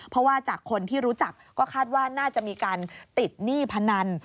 เพราะว่าจากคนที่รู้จักก็คาดว่าน่าจะมีการติดหนี้พนัน